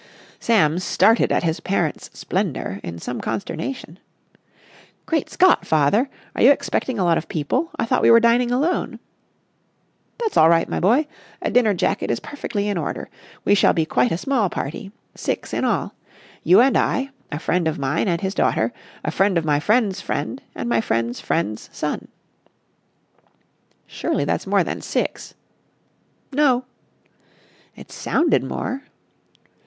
Sam started at his parent's splendour in some consternation. "Great Scot, father! Are you expecting a lot of people? I thought we were dining alone." "That's all right, my boy. A dinner jacket is perfectly in order. We shall be quite a small party. Six in all. You and I, a friend of mine and his daughter, a friend of my friend's friend and my friend's friend's son." "Surely that's more than six!" "No." "It sounded more."